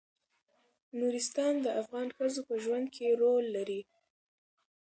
نورستان د افغان ښځو په ژوند کې رول لري.